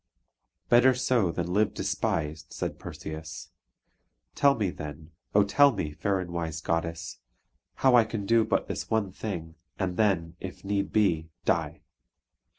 "Better so than live despised," said Perseus. "Tell me, then, oh tell me, fair and wise Goddess, how I can do but this one thing, and then, if need be, die!"